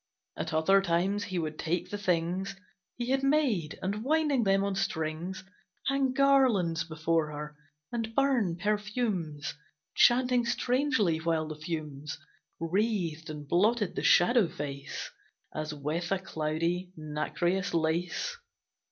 At other times he would take the things He had made, and winding them on strings, Hang garlands before her, and burn perfumes, Chanting strangely, while the fumes Wreathed and blotted the shadow face, As with a cloudy, nacreous lace.